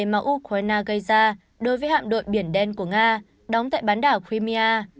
mà ukraine gây ra đối với hạm đội biển đen của nga đóng tại bán đảo crimia